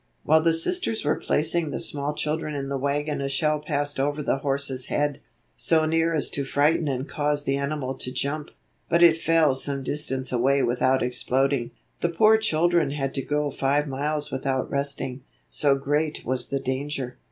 While the Sisters were placing the smaller children in the wagon a shell passed over the horse's head, so near as to frighten and cause the animal to jump, but it fell some distance away without exploding. The poor children had to go five miles without resting, so great was the danger.